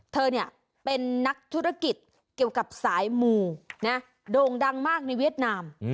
เธอเนี่ยเป็นนักธุรกิจเกี่ยวกับสายหมู่โด่งดังมากในเวียดนาม